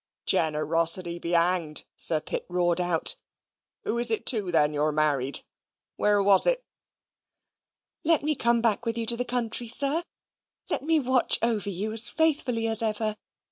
"Generosity be hanged!" Sir Pitt roared out. "Who is it tu, then, you're married? Where was it?" "Let me come back with you to the country, sir! Let me watch over you as faithfully as ever!